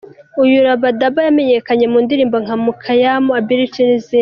Uyu Rabadaba yamenyekanye mu ndirimbo nka ‘Mukyamu’, ‘Ability’ n’izindi.